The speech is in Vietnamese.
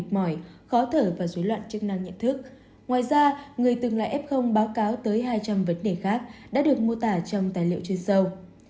mệt mỏi khó thở và rối loạn chức năng nhận thức ngoài ra người từng lại ép không báo cáo tới hai trăm linh vấn đề khác đã được mô tả trong tài liệu trên sâu